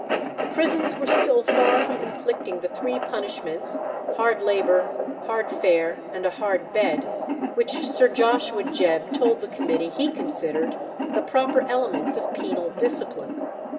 The prisons were still far from inflicting the three punishments, hard labour, hard fare, and a hard bed, which Sir Joshua Jebb told the committee he considered the proper elements of penal discipline.